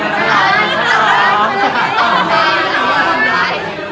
ก็คือเจ้าเม่าคืนนี้